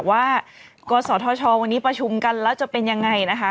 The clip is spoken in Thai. กศธชวันนี้ประชุมกันแล้วจะเป็นยังไงนะคะ